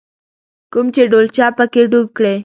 کوم چې ډولچه په کې ډوب کړې.